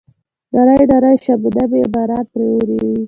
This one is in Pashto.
نری نری شبنمي باران پرې اوروي.